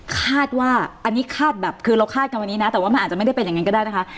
คาดว่าอันนี้คาดแบบคือเราคาดกันวันนี้นะแต่ว่ามันอาจจะไม่ได้เป็นอย่างนั้นก็ได้นะคะ